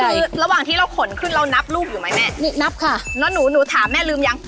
อันนี้ก็คือระหว่างที่เราขนขึ้นเรานับลูกอยู่มั้ยแม่นับค่ะแล้วหนูถามแม่ลืมยัง